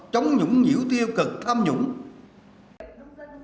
chống nhũng nhiễu tiêu cực tham nhũng